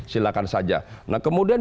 silahkan saja nah kemudian